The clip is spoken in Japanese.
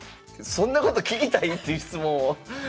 そんなこと聞きたい？っていう質問を。